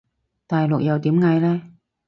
大陸又點嗌呢？